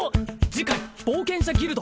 次回冒険者ギルド